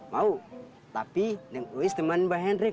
mau tapi neng uis teman mbak hendrik